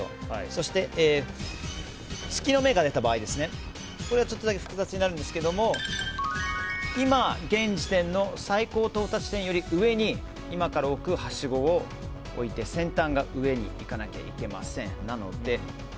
そして、月の目が出た場合これはちょっとだけ複雑になるんですけど今、現時点の最高到達点より上に今から置くはしごを置いて先端が上にいかなきゃいけません。